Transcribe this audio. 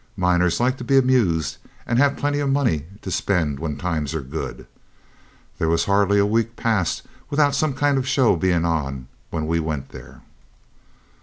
Miners like to be amused, and have plenty of money to spend when times are good. There was hardly a week passed without some kind of show being on when we went there.